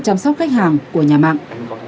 chăm sóc khách hàng của nhà mạng